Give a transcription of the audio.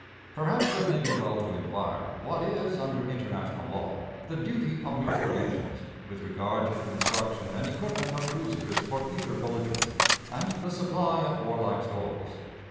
Perhaps it may be well to inquire what is, under international law, the duty of neutral nations with regard to the construction and equipment of cruisers for either belligerent, and the supply of warlike stores.